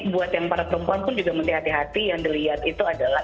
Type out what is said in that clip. buat yang para perempuan pun juga mesti hati hati yang dilihat itu adalah